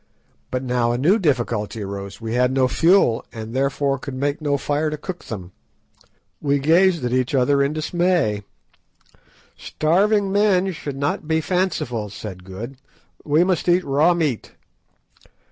But now a new difficulty arose, we had no fuel, and therefore could make no fire to cook them. We gazed at each other in dismay. "Starving men should not be fanciful," said Good; "we must eat raw meat."